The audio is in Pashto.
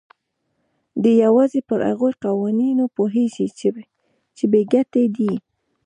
دی يوازې پر هغو قوانينو پوهېږي چې بې ګټې دي.